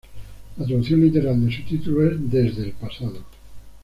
La traducción literal de su título es "Desde el pasado".